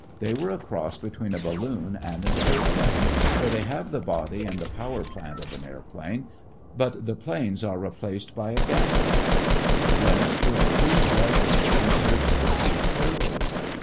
They are a cross between a balloon and an airplane, for they have the body and the power plant of an airplane, but the planes are replaced by a gas bag. Blimps could cruise leisurely and search the sea thoroughly.